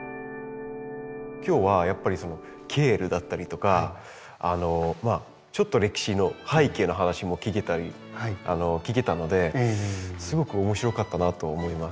今日はやっぱりケールだったりとかあのちょっと歴史の背景の話も聞けたのですごく面白かったなと思います。